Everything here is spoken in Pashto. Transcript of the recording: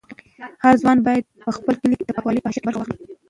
هر ځوان باید په خپل کلي کې د پاکوالي په حشر کې برخه واخلي.